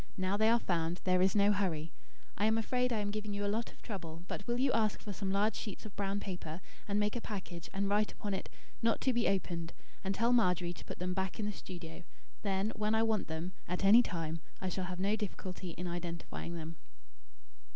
Now they are found, there is no hurry. I am afraid I am giving you a lot of trouble; but will you ask for some large sheets of brown paper, and make a package, and write upon it: 'Not to be opened,' and tell Margery to put them back in the studio. Then, when I want them, at any time, I shall have no difficulty in identifying them."